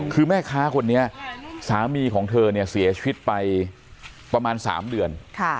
คือแม่ค้าคนนี้สามีของเธอเนี่ยเสียชีวิตไปประมาณ๓เดือน